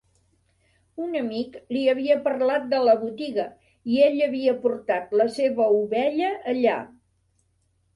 Un amic li havia parlat de la botiga, i ell havia portat la seva ovella allà.